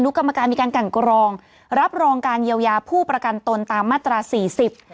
กรรมการมีการกันกรองรับรองการเยียวยาผู้ประกันตนตามมาตราสี่สิบ